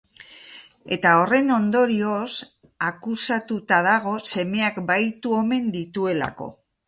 Eta horren ondorioz akusatuta dago semeak bahitu omen dituelako.